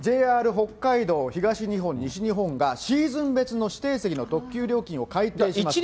ＪＲ北海道、東日本、西日本が、シーズン別の指定席の特急料金を改定します。